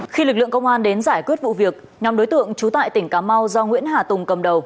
khi lực lượng công an đến giải quyết vụ việc nhóm đối tượng trú tại tỉnh cà mau do nguyễn hà tùng cầm đầu